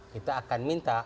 kita akan minta